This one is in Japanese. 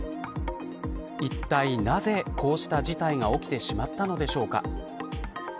いったい、なぜこうした事態が起きてしまったのでしょうか。